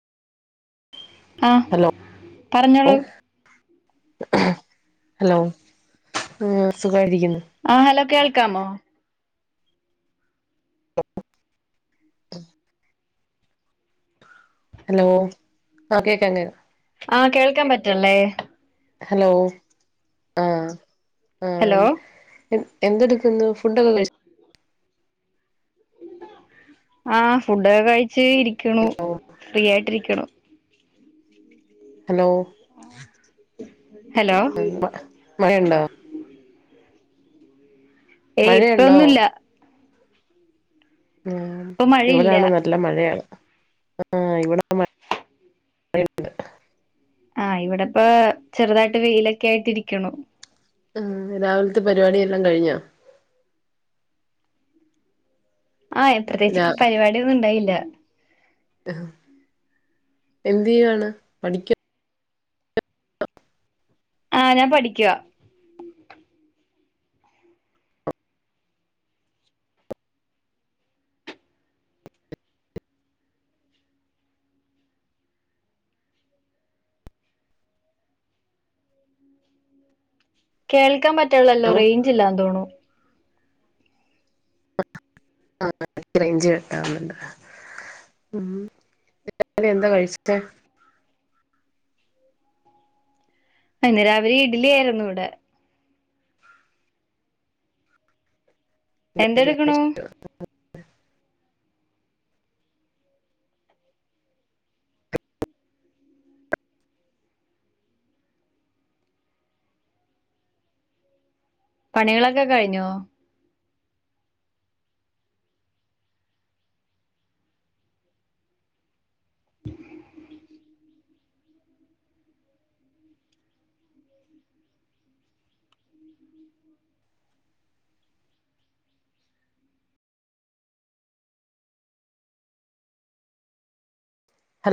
ആഹ് hello ഓ പറഞ്ഞോളൂ hello [unintelligible] സുഖായിരി ക്യന്ന് ആഹ് ഹലോ കേൾക്കാമോ ഹലോ ആഹ് കേക്കാം കേക്കാ ആഹ് കേൾക്കാമ്പറ്റല്ലേ ഹലോ ആഹ് ഹലോ ആഹ് ണ്ട് എന്തെട്ക്കുന്ന് ഫുഡ്ഡക്കെ കഴിച് ആഹ് ഫുഡ്ഡക്കെ കഴിച്ച് ഇരിക്ക്ണു ഫ്രീ യായിട്ട് ഇരിക്ക്ണു ഹലോ ഹലോ മയണ്ടോ ഏയ് മഴയുണ്ടോ ഇപ്പന്നുല്ല ഉം ഇപ്പൊ മഴയില്ല ഇവിടാണേ നല്ല മഴയാണ് ആഹ് ഇവിടെ മ യ ഇണ്ട് ആഹ് ഇവിടെപ്പാ ചെറ്തായിട്ട് വെയിലക്കെയിട്ടിരിക്ക്‌ണു ഉം രാവിൽത്തെ പരിപാടിയെല്ലാം കഴിഞ്ഞാ ആഹ് രാ എത്രേച്ചിട്ട് പരിപാടിയൊന്നും ഉണ്ടായില്ല എന്തെയ്യാണ് പഠിക്ക ആഹ് ഞാൻ പഠിക്കുവ കേൾക്കാൻ പറ്റണില്ലല്ലോ റേഞ്ച് ഇല്ലാന്ന് തോണു ആഹ് റേഞ്ച് കട്ടാവുന്നുണ്ട് ഉം രാവിലെ എന്താ കഴിച്ചേ ആ ഇന്ന് രാവിലീ ഇഡലി ആയിരുന്നു ഇവിടെ ഇഡലി എന്തെടുക്കണു കഴിച്ചോ പണികളൊക്കെ കഴിഞ്ഞോ